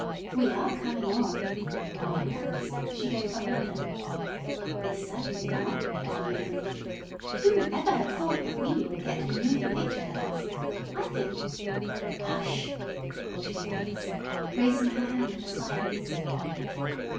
"We are coming on!" remarked Alice, as she gave her order. "We certainly are!" agreed Ruth. "Who would ever have thought that we would get to be moving picture girls? I think " "Hush!" cautioned Alice, raising her hand for silence.